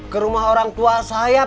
ke rumah orang tua saya pak kamtip